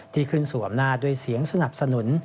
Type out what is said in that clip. ที่ขึ้นสู่อำนาจด้วยเสียงสนับสนุน